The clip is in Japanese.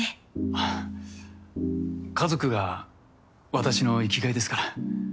あぁ家族が私の生きがいですから。